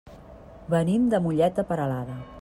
Venim de Mollet de Peralada.